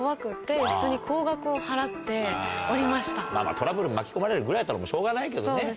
トラブルに巻き込まれるぐらいだったらしょうがないけどね。